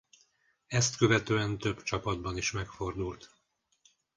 Ezt követően több csapatban is megfordult.